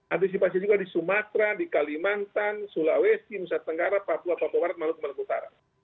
antisipasi juga di sumatera di kalimantan sulawesi nusa tenggara papua papua barat maluku maluku utara